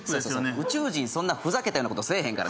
宇宙人そんなふざけたようなことせえへんからね